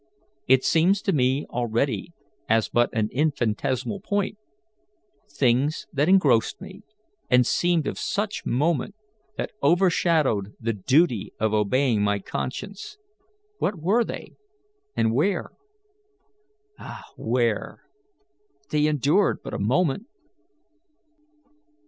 It seems to me already as but an infinitesimal point. Things that engrossed me, and seemed of such moment, that overshadowed the duty of obeying my conscience what were they, and where? Ah, where? They endured but a moment.